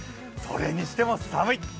それにしても寒い！